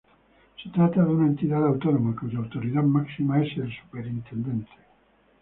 Se trata de una entidad autónoma, cuya autoridad máxima es el Superintendente.